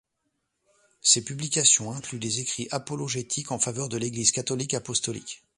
Ses publications incluent des écrits apologétiques en faveur de l'Église catholique apostolique.